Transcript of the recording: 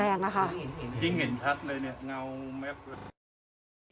อืมยิ่งเห็นชัดเลยนี่เงาแมค